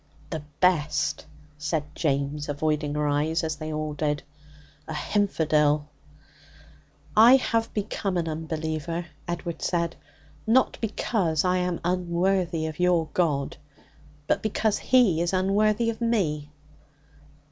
'The best!' said James, avoiding her eyes, as they all did. 'A hinfidel!' 'I have become an unbeliever,' Edward said, 'not because I am unworthy of your God, but because He is unworthy of me.